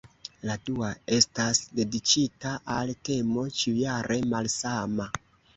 La dua estas dediĉita al temo ĉiujare malsama.